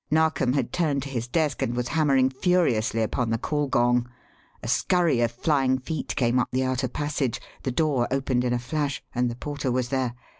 Narkom had turned to his desk and was hammering furiously upon the call gong. A scurry of flying feet came up the outer passage, the door opened in a flash, and the porter was there.